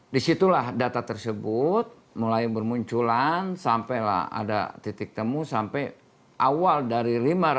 disitulah data tersebut mulai bermunculan sampailah ada titik temu sampai awal dari lima ratus